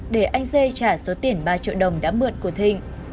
để anh dê trả số tiền ba triệu đồng đã mượn của thịnh